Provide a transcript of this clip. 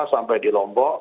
sampai di lombok